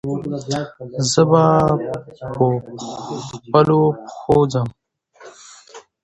زه به پخپلو پښو ځم.